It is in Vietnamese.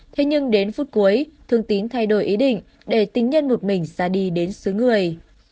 thế nhưng đến phút cuối thường tín thay đổi ý định để tính nhân một mình ra đi đến xứ người